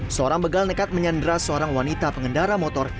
seorang begal nekat menyandra seorang wanita pengendara motor